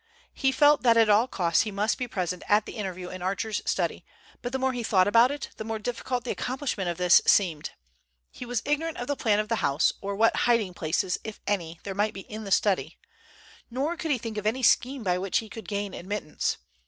He felt that at all costs he must be present at the interview in Archer's study, but the more he thought about it, the more difficult the accomplishment of this seemed. He was ignorant of the plan of the house, or what hiding places, if any, there might be in the study, nor could he think of any scheme by which he could gain admittance.